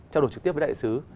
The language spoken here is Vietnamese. trao đổi trực tiếp với đại sứ